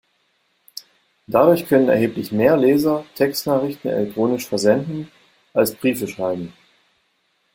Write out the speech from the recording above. Dadurch können erheblich mehr Leser Textnachrichten elektronisch versenden, als Briefe schreiben.